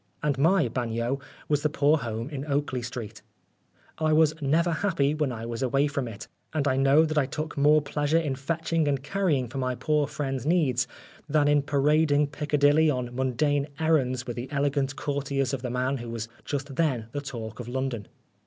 And my bagnio was the poor home in Oakley Street. I was never happy when I was away from it, and I know that I took more pleasure in fetching and carrying for my poor 177 12 Oscar Wilde friend's needs than in parading Piccadilly on mundane errands with the elegant courtiers of the man who was just then the talk of London.